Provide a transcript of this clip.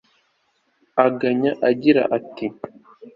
aganya agira ati